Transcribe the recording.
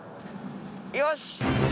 よし。